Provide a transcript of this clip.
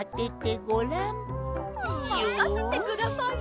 まかせてください。